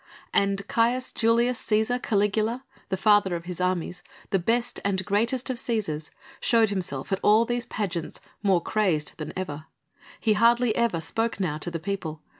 And Caius Julius Cæsar Caligula, the father of his armies, the best and greatest of Cæsars, showed himself at all these pageants more crazed than ever; he hardly ever spoke now to the people.